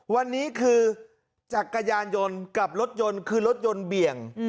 วันนี้คือจักรยานยนต์กับรถยนต์คือรถยนต์เบี่ยง